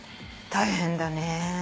大変だね。